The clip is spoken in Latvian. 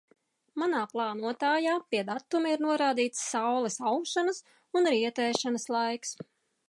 Manā plānotājā pie datuma ir norādīts saules aušanas un rietēšanas laiks.